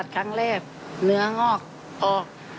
อาตรัสทั้งเร่บเหนืองอกออก